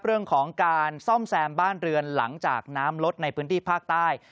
เรื่องของการซ่อมแซมบ้านเรือนหลังจากน้ำลดในพื้นที่ภาคใต้